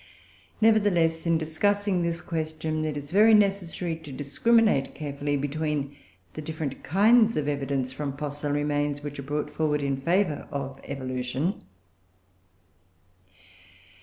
Nevertheless, in discussing this question, it is very necessary to discriminate carefully between the different kinds of evidence from fossil remains which are brought forward in favour of evolution.